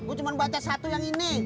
gua cuman baca satu yang ini